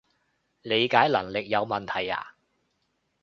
理解能力有問題呀？